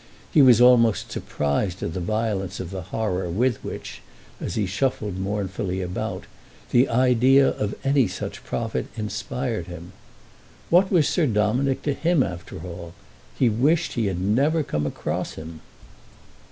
He was almost surprised at the violence of the horror with which, as he shuffled mournfully about, the idea of any such profit inspired him. What was Sir Dominick to him after all? He wished he had never come across him.